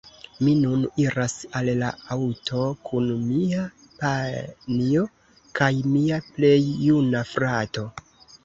Mi nun iras al la aŭto kun mia panjo kaj mia plej juna frato